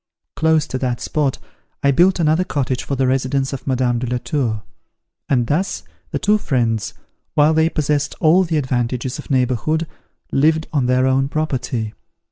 Close to that spot I built another cottage for the residence of Madame de la Tour; and thus the two friends, while they possessed all the advantages of neighbourhood lived on their own property.